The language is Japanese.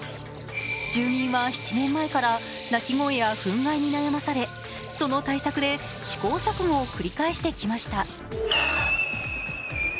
住民は７年前から鳴き声やふん害で悩まされその対策で試行錯誤を繰り返してきました。